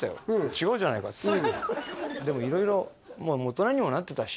違うじゃないかっつってでも色々大人にもなってたし